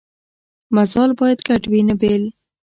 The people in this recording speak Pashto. مزال باید ګډ وي نه بېل.